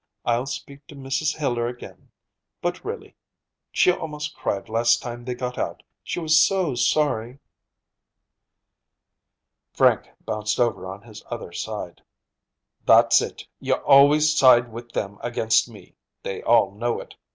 I'll speak to Mrs. Hiller again. But, really, she almost cried last time they got out, she was so sorry." Frank bounced over on his other side. "That's it; you always side with them against me. They all know it.